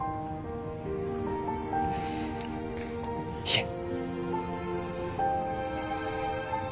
いえ。